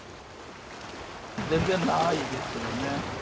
全然ないですね。